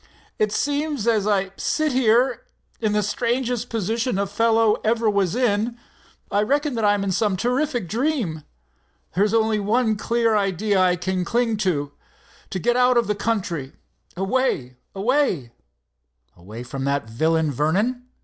"It seems as I sit here, in the strangest position a fellow ever was in, I reckon, that I'm in some terrific dream. There's only one clear idea I can cling to—to get out of the country, away—away——" "Away from that villain, Vernon?